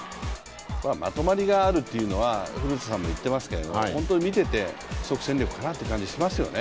まとまりがあるっていうのは古田さんも言ってましたけど本当に見ていて即戦力かなという気がしますよね。